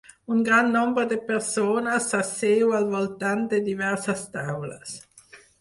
Un gran nombre de persones s'asseu al voltant de diverses taules.